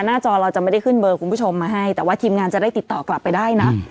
จอเราจะไม่ได้ขึ้นเบอร์คุณผู้ชมมาให้แต่ว่าทีมงานจะได้ติดต่อกลับไปได้นะ